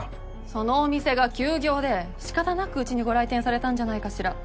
そのお店が休業でしかたなくうちにご来店されたんじゃないかしら？